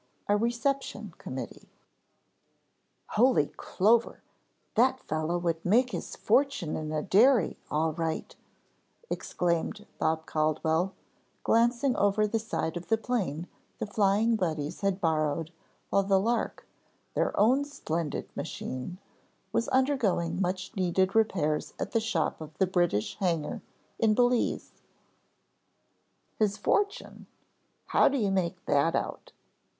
A RECEPTION COMMITTEE "Holy Clover, that fellow would make his fortune in a dairy, all right," exclaimed Bob Caldwell glancing over the side of the plane the Flying Buddies had borrowed while the "Lark," their own splendid machine was undergoing much needed repairs at the shop of the British hangar in Belize. "His fortune, how do you make that out?"